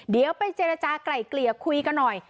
เดี๋ยวไปเจรจากลายเกลี่ยคุยกันหน่อย